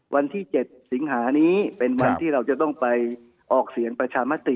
วันที่๗สิงหานี้เป็นวันที่เราจะต้องไปออกเสียงประชามติ